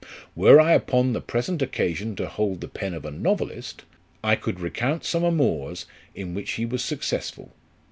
"Were I upon the present occasion to hold the pen of a novelist, I could recount some amours, in which he was successful.